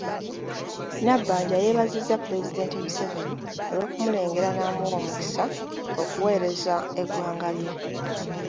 Nabbanja yeebazizza Pulezidenti Museveni olw'okumulengera n’amuwa omukisa okuweereza eggwanga lye.